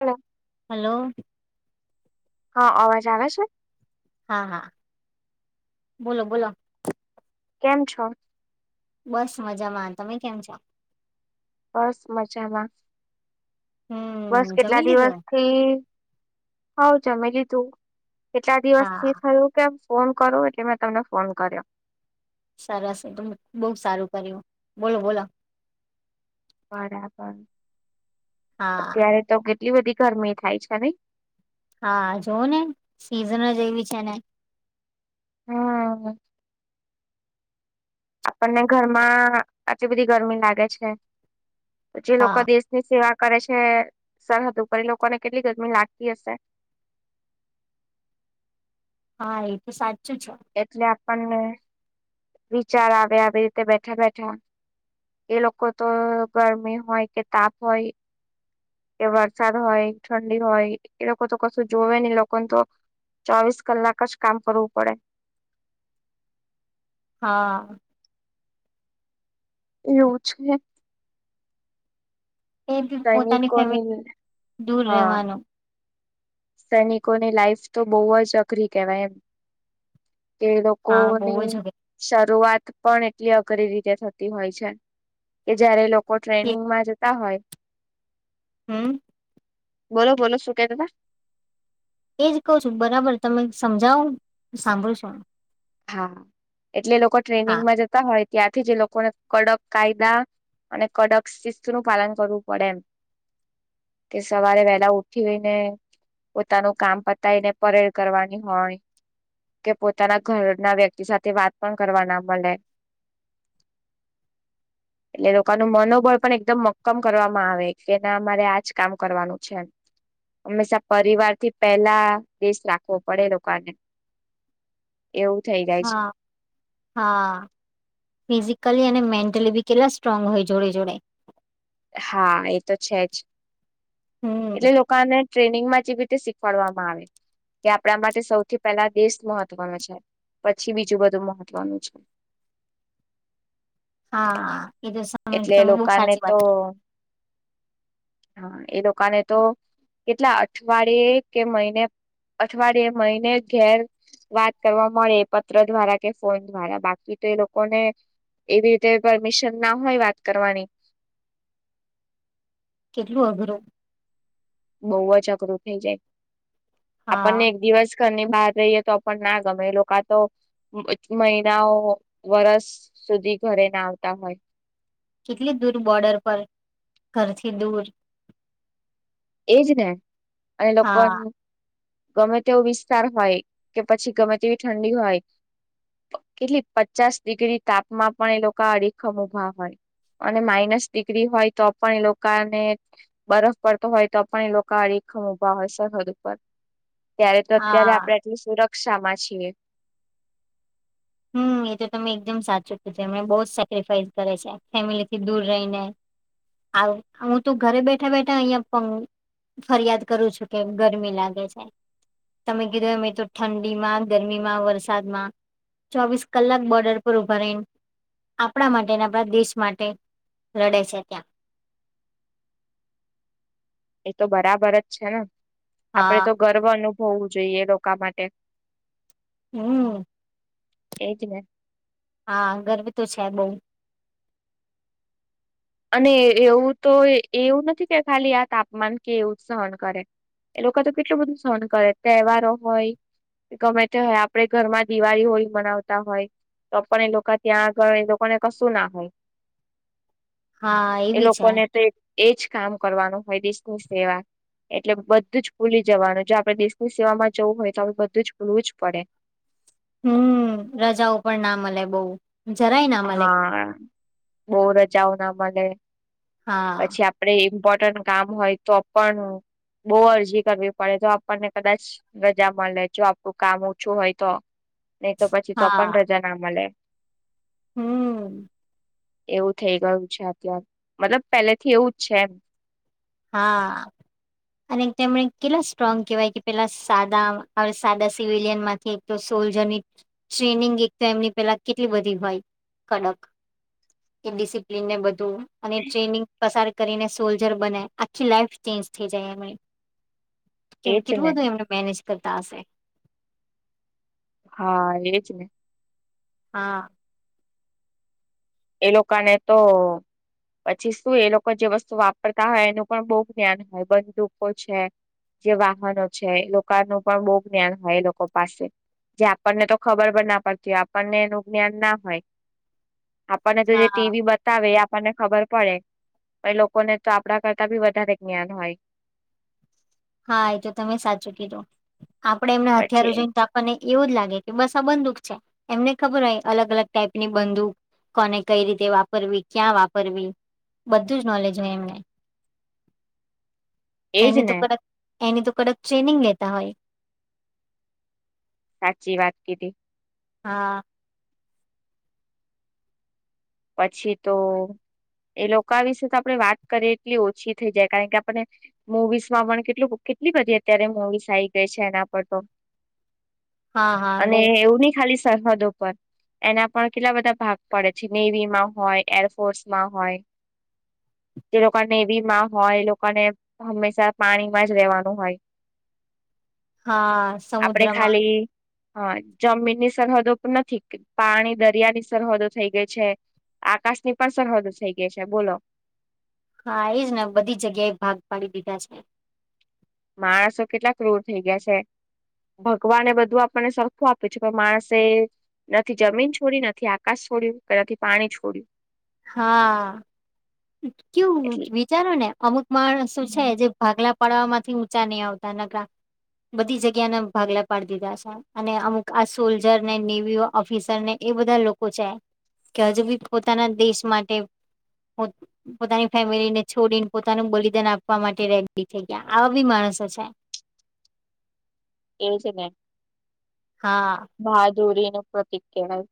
હ [unintelligible] હલો હા અવાજ આવે છે હા હા બોલો બોલો કેમ છો બસ મજામાં તમે કેમ છો બસ મજામાં બસ હમ કેટલા જમી દિવસ લીધું થી હોવ જમે લીધું કેટલા દિવસ થી હા થયું કે ફોન કરો એટલે મેં તમને ફોન કર્યો સરસ તમ બઉ સારું કર્યું બોલો બોલો બરાબર. હા અત્યારે તો કે ટલી બધી ગરમી થાય છે નઈ. હા, જોવોને સિઝન જે એવી છે ને. હમ. આપડને ઘરમાં આટલી બધી ગરમી લાગે છે જે લોકો હા દેશની સેવા કરે છે સરહદ ઉપર એ લોકોને કેટલી ગરમી લાગતી હશે. [inaudible] હા, એ તો સા એટલે આપણને વિચાર આવે આવી રીતે બેઠા-બેઠા એ લોકો તો ગરમી હોય કે તાપ હોય કે વરસાદ હોય, ઠંડી હોય એ લોકો તો કશું જોવે ની એ લોકોન તો ચોવીસ કલાક જ કામ કરવું પડે. હા. એવું છે. એ [unintelligible] પોતાની ફેમિલી સૈનિકોની દૂર હા રહેવાનું. સૈનિકોની લાઈફ તો બઉ જ અઘરી કહેવાય એમ. તે હા બહુ લોકોની જ હવે શરૂઆત પણ એટલી અઘરી રીતે થતી હોય છે. કે જ્યારે એ લોકો એ ટ્રેનિંગમાં જતા હોય હમ. બોલો, બોલો શું કેતા તા? એજ કઉ છું. બરાબર, તમે સમજાવો સાંભળું છુ. હા, એટલે એ લોકો હા ટ્રેનિંગમાં જતા હોય ત્યાંથી જ એ લોકોને કડક કાયદા અને કડક શિસ્તનું પાલન કરવું પડે એમ. તે સવારે વહેલા ઉઠીને પોતાનું કામ પતાયને પરેડ કરવાની હોય કે પોતાના ઘરના વ્યક્તિ સાથે વાત પણ કરવા ના મલે. એટલે એ લોકાનું મનોબળ પણ એકદમ મક્કમ કરવામાં આવે કે ના મારે આજ કામ કરવાનું છે એમ. હંમેશા પરિવારથી પહેલા દેશ રાખવો પડે એ લોકાને. હા, હા, ફિઝિ કલી અને મેન્ટલી બી કેટલા સ્ટ્રોંગ હોય જોડે જોડે. હા, એ તો છે જ. હમ એટલે એ લોકાને ટ્રેનિંગમાં જ એવી રીતે શીખવાડવામાં આવે કે આપડા માટે સૌથી પહેલા દેશ મહત્વનો છે. પછી બીજું બધું મહત્વનું છે. હા એ તો તમે બહુ સાચી વાત કીધી હ. એ લોકો કાને તો કેટલા અઠવાડિયે કે મહિને અઠવાડિયે મહિને ઘેર વાત કરવા મળે. પત્ર દ્વારા કે ફોન દ્વારા બાકી તો એ લોકોને એવી રીતે પરમિશન ના હોય વાત કરવાની. કેટલું અઘરું બહું જ અઘરું થઈ જાય. હા આપણને એક દિવસ ઘર ની બહાર રહીએ. તો પણ ના ગમે એ લોકો આ તો મહિનાઓ વર્ષ સુધી ઘરે ના આવતા હોય. કેટલી દૂર બોર્ડર પર ઘરથી દૂર એજ ને અને લોકો હા ગમે તેવો વિસ્તાર હોય કે પછી ગમે તેવી ઠંડી હોય. કેટલી પચાસ ડિગ્રી તાપમા પણ એ લોકો અડીખમ ઉભા હોય. અને માઇનસ ડિગ્રી હોય. તો પણ એ લોકાને બરફ પર હોય. તો પણ એ લોકો અરીખમ ઉભા હોય. સરહદ ઉપર ત્યારે તો અત્યારે આપડે હા આટલી સુરક્ષ કક્ષામાં છીએ. હમ એ તો તમે એકદમ સાચું કધું એમને બહું સેક્રિફાઈસ કરે છે. ફેમિલી થી દૂર રહીને આવ હું તો ઘરે બેઠા-બેઠા અહિયાં પણ ફરિયાદ કરું છું. કેમ ગરમી લાગે છે. તમે કીધું એમ તો ઠંડીમાં ગરમીમાં વરસાદમાં ચોવીસ કલાક બોર્ડર પર ઉભા રહીને. આપણા માટે ને આપણા દેશ માટે લડે છે. ત્યાં. એ તો બરાબર જ છે. ને આપડે હા તો ગર્વ અનુભવ હોવું જોઈએ. એ લોકા માટે. હમ્મ. એજને. હા ગર્વ તો છે. બહું અને એવું તો એવું નથી કે ખાલી આ તાપમાન કે એવું સહન કરે એ લોકો તો કેટલું બધું સહણ કરે તહેવારો હોય ગમે તે હોય છે. આપડે ઘરમાં દિવાળી હોય મનાવતા હોય. તો પણ એ લોકો ત્યાં આગળ એ લોકોને કશું ના હોય. હા એ એબી છે. લોકોને તો એજ કામ કરવાનું હોય દેશની સેવા. એટલે બધું જ ભૂલી જવાનું જો આપડણે દેશની સેવામાં જવું હોય તો આપડે બધું જ ભૂલવું જ પડે. [inaudible] હમ્મ રજાઓ પણ ના મળે બહું. હા બહું રજાઓ ના મળે. હા પછી આપડે ઇમ્પોર્ટન્ટ કામ હોય તો પણ બહુ અરજી કરવી પડે. તો આપણને કદાચ રજા મળે. જો આપણું કામ ઓછું હોય તો. નહી તો પછી તોપન રજા ના મળે. હમ્મ. એવું થઈ ગયું છે. અત્યારે મતલબ પેલેથી એવું જ છે એમ. હા. અને તેમણે કેટલા સ્ટ્રોંગ કેવાય કે પેલા સાદા સાદા સિવિલિયન માંથી એક [unintelligible] ટ્રેનિંગ એક તો એમની પેલા કેટલી બધી હોય કડક એ ડિસિપ્લીન ને બધું અને ટ્રેનિંગ પસાર કરીને સોલ્જર બના આખી લાઈફ ચેન્જ થઈ જાય. એમની કેમ એજ કેટલું ને બધું એમને મેનેજ કરતા હશે. હા એજ ને હા. એ લોકો ને તો પછી શું એ લોકો જે વસ્તુ વાપરતા હોય એનું પણ બો જ્ઞાન હોય બંદુકો છે. જે વાહનો છે એ લોકા નું પણ બો જ્ઞાન હોય એ લોકો પાસે જે આપણને તો ખબર પણ ન પડતી હોય આપણને એનું જ્ઞાન ના હોય. આપણને તો જે હા ટીવી બતાવે એ મને ખબર પડે લોકોને તો આપડા કરતા બી વધારે જ્ઞાન હોય. [inaudible] હા એ તો તમે સાચું કીધું. આપડે એમના હથિયારો પછી જોઈને તો આપણ ને એવું જ લાગે કે બસ આ બંદૂક છે એમને ખબર હોય અલગ અલગ ટાઈપ ની બંદૂક કોને કઈ રીતે વાપરવી, ક્યાં વાપરવી બધું જ નોલેજ હોય એમને [inaudible] એજ એની તો ને કડક, એની તો કડક ટ્રેનિંગ લેતા હોય. સાચી વાત કીધી. હા. પછી તો એ લોકા વિશે તો આપણે વાત કરીએ એટલી ઓછી થઈ જાય કારણ કે આપને મુવીઝ માં પણ કેટલું કેટલી બધી અત્યારે મુવીઝ આવી ગઈ છે એના પર તો હા હા બહુ અને એવું ની ખાલી સરહદો પર એના પર કેટલા બધા ભાગ પડે છે. નેવીમાં હોય, એરફોર્સમાં હોય. જે લોકો નેવી માં હોય એ લોકોને હંમેશા પાણીમાં જ રહેેવાનું હોય. [inaudible] હા આપડે સમુદ્રમાં. ખાલી હા જમીનની સરહદો પણ નથી. પાણી દરિયાની સરહદો થઈ ગઈ. છે. આકાશની પણ સરહદ થઈ ગઈ છે બોલો. હા એજ ને બધી જગ્યા એ ભાગ પાડી દીધા છે. માણસો કેટલાક રૂર થઇ ગયા છે. ભગવાને બધું આપણને સરખું આપ્યું છે પણ માણસે નથી જમીન છોડી નથી, આકાશ છોડ્યું કે નથી પાણી છોડ્યું. હા. કેવુ એટલે વિચારો ને અમુક માણસો છે જે ભાગલા પાડવા માંથી ઊંચા નય આવતા ને ક બધી જગ્યાને ભાગલા પાડી દીધા છે અને અમુક આ સોલ્જર ને નેવી ઓફિસરને એ બધા લોકો છે કે હજુ બી પોતાના દેશ માટે પો પોતાની ફેમિલીને છોડીને પોતાનું બલિદાન આપવા માટે રેડી થઈ ગયા આવા બી માણસો છે. એવ છેને. હા બહાદુરી નો પ્રતિક કહેવાય.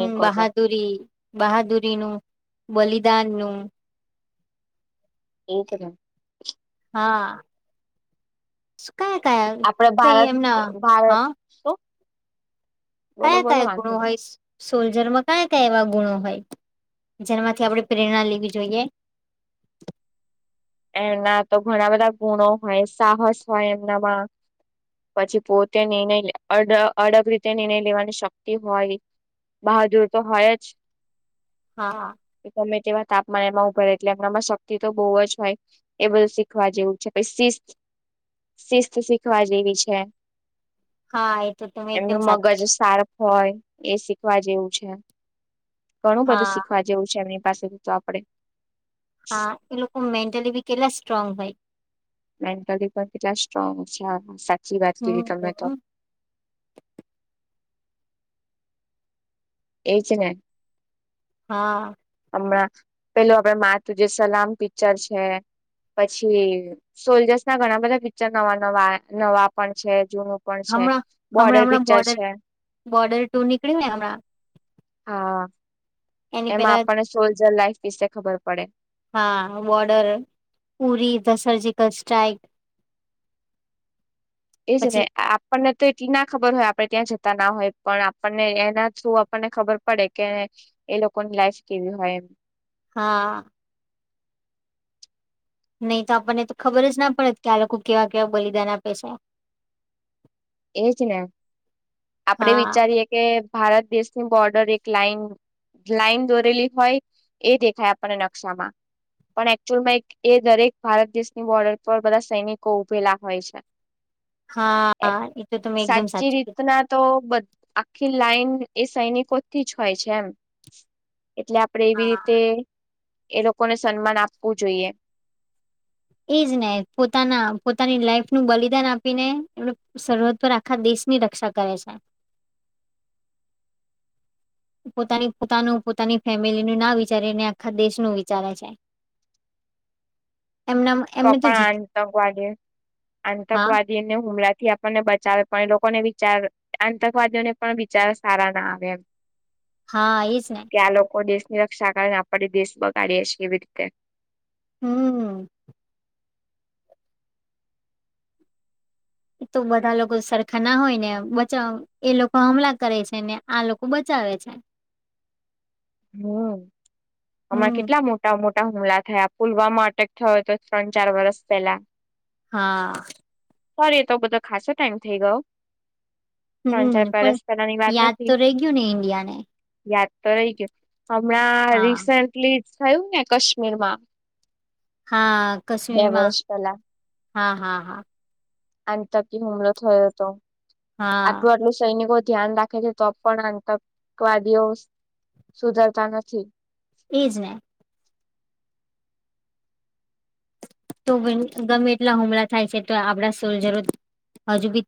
હમમ તો બહાદુરી બહાદુરીનું, બલિદાનનું. એ છે કે હા કયા કયા આપડે કઈ ભારત એમના ભારત હા. શું બોલો કયા બોલો કયા ગુણો વાંધો નહી હોયશ? સોલ્જરમાં કયા કયા એવા ગુણો હોય જેમાંથી આપણે પ્રેરણા લેવી જોઈએ. [inaudible] એમાં તો ઘણા બધા ગુણો હોય સાહસ હોય એમનામાં પછી પોતે નિર્ણય અડગ રીતે નિર્ણય લેવાની શક્તિ હોય. બહાદુર તો હોય જ. હા એ ગમે તેવા તાપમાન એમાં ઉભા એટલે એમના માં શક્તિ તો બોવ જ હોઈ. એ બધું શીખવા જેવું છે પછી શિસ્ત શિસ્ત શીખવા જેવી છે. હા એ તો તમે એકદમ એમનું સાચું મગજ સારફ હોય એ શી શીખવા જેવું છે ઘણું હા બધું શીખવા જેવું છે. એમની પાસેથી તો આપડે હા એ લોકો મેન્ટલી બી કેટલા સ્ટ્રોંગ હોય. મેન્ટલી પણ કેટલા સ્ટ્રોંગ છે. સાચી વાત કીધી તમે તો. હમ એજ ને. હા. હમણાં પેલું આપડે માથું જે સલામ પિક્ચર છે. પછી સોલ્જર્સ ના ઘણા બધા પિક્ચર નવા નવા નવા પણ છે. [unintelligible] છે હમણાં હમણાં બોડર હમણાં પિકચર બોર્ડર છે બોર્ડર ટુ નીકળ્યું ને હમણાં હા એની એમાં પેલા આપણને સોલ્જર લાઈફ વિશે ખબર પડે. હા border Uri the surgical strike એજ ને આપણને તો એ ટી ના ખબર હોય. આપ ત્યાં જતા ના હોય પણ આપણને એના થુ આપણને ખબર પડે કે એ લોકોની લાઈફ કે વી હોય એમ. હા. નહી તો આપણને તો ખબર જ ના પડેત કે આ લોકો કેવા કેવા બલિદાન આપે છે. એજ ને આપડે હા વિચારીએ કે ભારત દેશની બોર્ડર એક લાઈન લાઈન દોરેલી હોય એ દેખાય આપણને નકશામાં. પણ એકચુઅલમાં એ દરેક ભારત દેશની બોર્ડર પર બધા સૈનિકો ઉભેલા હોય છે. હા. એક તો તમે એકદમ સાચી સાચું કીધું રીતના તો બ આખી લાઈન એ સૈનિકોથી જ હોય છે એમ. એટલે આપણેે એવી હા રીતે એ લોકોને સન્માન આપવું જોઈએ. એજ ને પોતાના પોતાની લાઈફ નું બલિદાન આપીને એ સરહદ પર આખા દેશ ની રક્ષા કરે છે. [inaudible] પોતાની પોતાનું પોતાની ફેમિલીનું ના વિચારીને આખા દેશનું વિચારે છે. [inaudible] એમના તો એમને જીત પણ આતંકવાદી હા આતંકવાદીને હુમલા થી આપણને બચાવે પણ એ લોકોને વિચાર આતંકવાદીઓને પણ વિચાર સારા ના આવે એમ હા એ જ નહી. નિ રક્ષા કારને આપણે દેશ બગાડીએ છીએ એવી રીતે. હમ્મ. એ તો બધા લોકો સરખા ના હોય ને બચાવ એ લોકો હમલા કરે છે ને આ લોકો બચા વે છે. હમ્મ આમાં હમ કેટલા મોટા મો ટા હુમલા થયા પુલવામા અટેક થયો તો ત્રણ ચાર વરષ પહેલા હા. પણ એ તો બધો ખાસો ટાઈમ થઇ ગયો. ત્રણ હમ ચાર વરસ પણ પહેલાની વાત યાદ તો નથી રહી ગયું ને ઈન્ડિયાને યાદ તો રહી ગય હમણાં હા રિસેન્ટલી થયું ને કાશ્મીરમાં. હા બે કશ્મીરમાં વર્ષ પહેલા હા હા હા. આતંકી હુમલો થયો હતો હા આટલું આટલું સૈનિકો ધ્યાન રાખે છે તો પણ આતકવાદીઓ સુધરતા નથી. એજને. તો [unintelligible] ગમે એટલા હુમલા થાય છે તો આપડા સોલ્જરો હજુ બી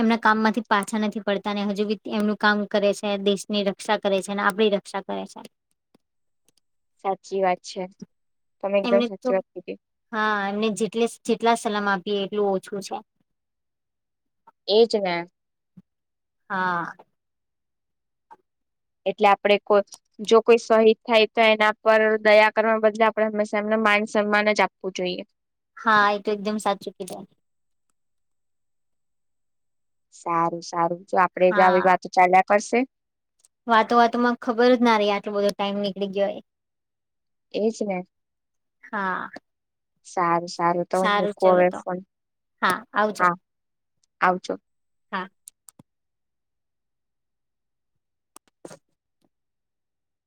એમના કામ માંથી પાછા નથી પડતા હજુ બી એમનું કામ કરે છે દેશની રક્ષા કરે છે ને આપડ રક્ષા કરે છે. સાચી વાત છે. તમે એકદમ એમને તો સાચી વાત કીધી હા એમને જેટલે જેટલા સલામ આપ એટલું ઓછું છે. [inaudible] એજ ને હા એટલે આપડે કો જો કોઈ શહીદ થાય તો એના પર દયા કરવા બદલે આપડે હંમેશા માન સન્માન જ આપવું જોઈએ. હા, એ તો એકદમ સાચું કીધુ. સારું સારું જો આપડે એ આવી હા વાતો ચાલ્યા કરશે, વાતો વાતોમાં ખબર જ ના રહી આટલો બધો ટાઈમ નીકળી ગયો એ એજ ને હા સારું તાર ત સારું મૂકું ચલો હવે તો ફોન હા આવજો હા આવજો. હા [unintelligible]